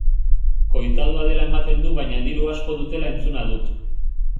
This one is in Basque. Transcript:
Koitadua dela ematen du baina diru asko dutela entzuna dut.